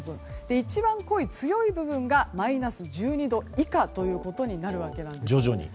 一番濃い強い部分がマイナス１２度以下ということになるわけなんです。